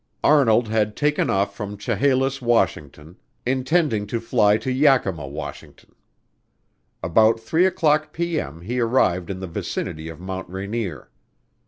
Arnold had taken off from Chehalis, Washington, intending to fly to Yakima, Washington. About 3:00P.M. he arrived in the vicinity of Mount Rainier.